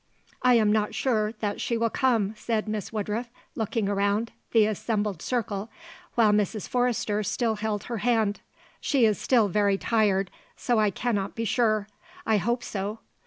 "I am not sure that she will come," said Miss Woodruff, looking around the assembled circle, while Mrs. Forrester still held her hand. "She is still very tired, so I cannot be sure; I hope so."